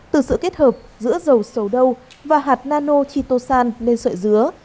từ sự kết hợp giữa dầu sầu đâu và hạt nano chitosan lên sợi dứa